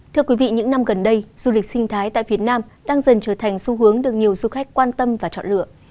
thưa quý vị những năm gần đây du lịch sinh thái tại việt nam đang dần trở thành xu hướng được nhiều du khách quan tâm và chọn lựa